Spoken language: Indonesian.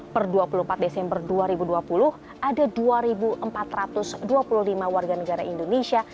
per dua puluh empat desember dua ribu dua puluh ada dua empat ratus dua puluh lima warga negara indonesia